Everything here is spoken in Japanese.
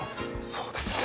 そうですね。